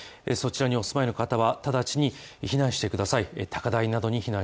そちらにお住まいの方はただちに避難してください。